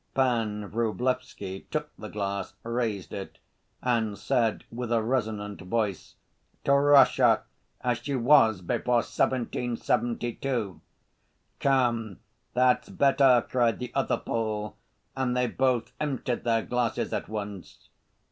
Pan Vrublevsky took the glass, raised it and said with a resonant voice: "To Russia as she was before 1772." "Come, that's better!" cried the other Pole, and they both emptied their glasses at once.